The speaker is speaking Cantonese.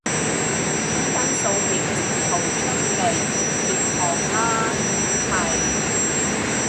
專登掃瞄截圖出嚟貼堂啦梗係